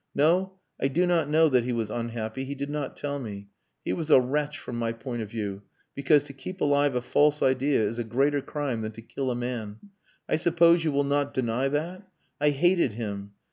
No, I do not know that he was unhappy. He did not tell me. He was a wretch from my point of view, because to keep alive a false idea is a greater crime than to kill a man. I suppose you will not deny that? I hated him!